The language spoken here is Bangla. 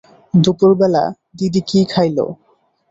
দুপুর বেলা দিদি কি খাইল?